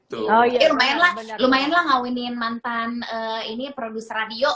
mantan ini produser radio